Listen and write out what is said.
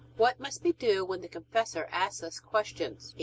What must we do when the confessor asks us questions?